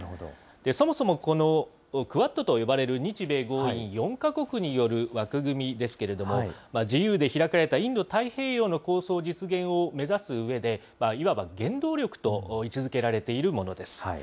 そもそもこのクアッドと呼ばれる日米豪印４か国による枠組みですけれども、自由で開かれたインド太平洋の構想実現を目指すうえで、いわば原動力と位置づけられているものです。